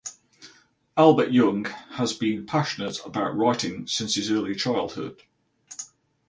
Albert Young has been passionate about writing since his early childhood.